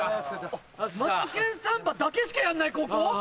・『マツケンサンバ』だけしかやんない高校？